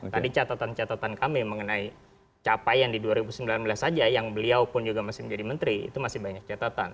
tadi catatan catatan kami mengenai capaian di dua ribu sembilan belas saja yang beliau pun juga masih menjadi menteri itu masih banyak catatan